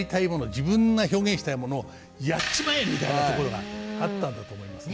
自分が表現したいものを「やっちまえ！」みたいなところがあったんだと思いますね。